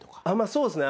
そうっすね